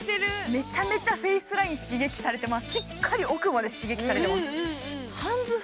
めちゃめちゃフェイスライン刺激されてます。